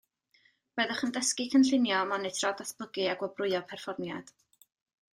Byddwch yn dysgu cynllunio, monitro, datblygu a gwobrwyo perfformiad.